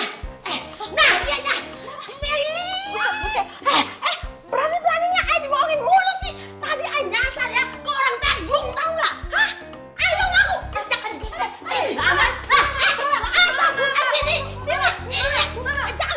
nah ini dia nya